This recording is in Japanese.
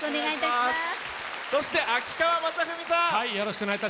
そして、秋川雅史さん。